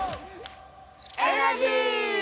⁉エナジー！